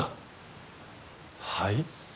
はい？